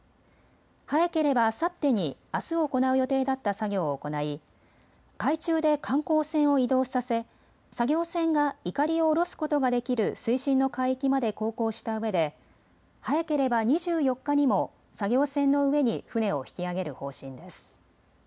早ければ、あさってにあす行う予定だった作業を行い海中で観光船を移動させ作業船が、いかりを下ろすことができる水深の海域まで航行したうえで早ければ２４日にも作業船の上に船を引き揚げる方針です。